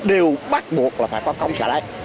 đều bắt buộc là phải có cống xả đáy